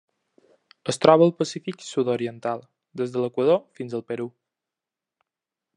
Es troba al Pacífic sud-oriental: des de l'Equador fins al Perú.